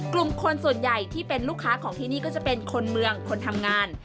กลุ่มคนส่วนใหญ่ที่เป็นลูกค้าของที่นี่ก็จะเป็นคนเมืองคนทำงาน